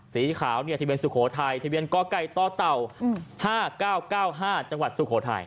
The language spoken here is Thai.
สีขาวทะเบียนสุโขทัยทะเบียนกไก่ต่อเต่า๕๙๙๕จังหวัดสุโขทัย